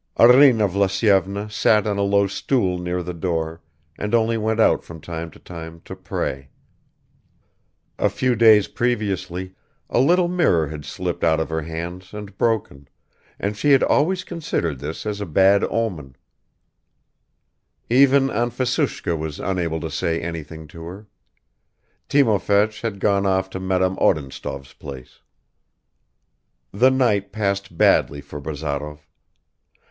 Arina Vlasyevna sat on a low stool near the door and only went out from time to time to pray. A few days previously, a little mirror had slipped out of her hands and broken, and she had always considered this as a bad omen; even Anfisushka was unable to say anything to her. Timofeich had gone off to Madame Odintsov's place. The night passed badly for Bazarov